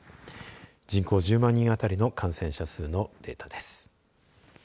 人口１０万人あたりの感染者数のデータです。